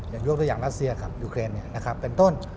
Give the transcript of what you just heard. อย่างยกตัวอย่างรัสเซียครับยุคเรนเนี่ยนะครับเป็นต้น